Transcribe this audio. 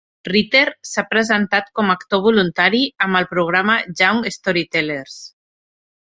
Ritter s'ha presentat com a actor voluntari amb el programa Young Storytellers.